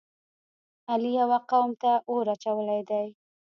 علی یوه قوم ته اور اچولی دی.